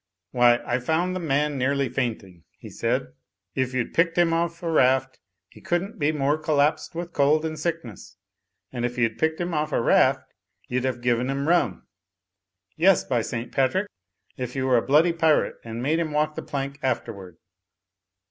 *Why, I found the man nearly fainting,' he said. *If you'd picked him off a raft, he couldn't be more collapsed with cold and Digitized by CjOOQIC 208 THE FLYING INN sickness; and if you'd picked him off a raft you'd have given him rum — ^yes, by St Patrick, if you were a bloody pirate and made him walk the plank afterward.'